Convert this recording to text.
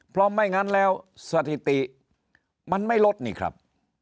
เพราะไม่งั้นแล้วสถิติมันไม่ลดนี่ครับ